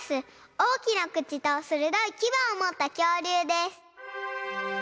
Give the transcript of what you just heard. おおきなくちとするどいきばをもったきょうりゅうです。